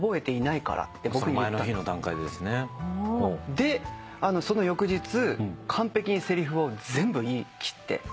でその翌日完璧にせりふを全部言い切って。